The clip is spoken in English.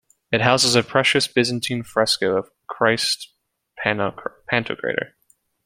It houses a precious Byzantine fresco of Christ Pantocrator.